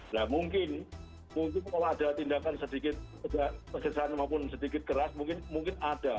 nah mungkin mungkin kalau ada tindakan sedikit kesesaan maupun sedikit keras mungkin ada